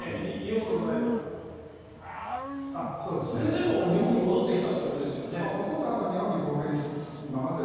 それでも日本に戻ってきたということですよね？